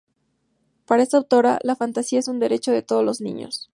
Para esta autora: "La fantasía es un derecho de todos los niños.